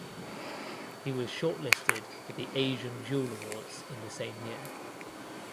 He was shortlisted for the Asian Jewel Awards in the same year.